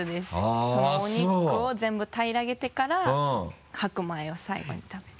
そのお肉を全部平らげてから白米を最後に食べて。